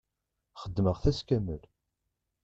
Xedmeɣ-t ass kamel.